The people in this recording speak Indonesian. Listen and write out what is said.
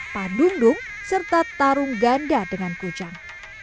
pandundung serta tarung ganda dengan kujang